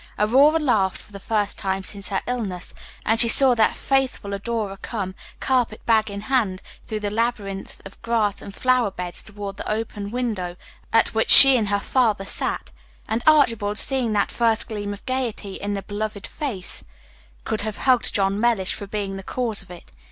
Aurora laughed (for the first time since her illness) as she saw that faithful adorer come, carpet bag in hand, through the labyrinth of grass and flower beds toward the open window at which she and her father sat; and Archibald seeing that first gleam of gayety in the beloved face, could have hugged John Mellish for being the cause of it.